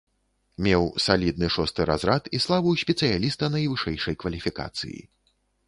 Меў салідны шосты разрад і славу спецыяліста найвышэйшай кваліфікацыі.